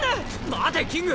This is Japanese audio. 待てキング！